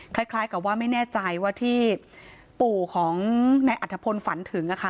คล้ายกับว่าไม่แน่ใจว่าที่ปู่ของนายอัฐพลฝันถึงอะค่ะ